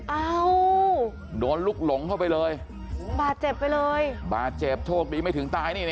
เอ้าโดนลุกหลงเข้าไปเลยบาดเจ็บไปเลยบาดเจ็บโชคดีไม่ถึงตายนี่นะ